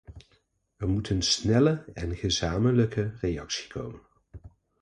Er moet een snelle en gezamenlijke reactie komen.